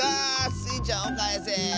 スイちゃんをかえせ。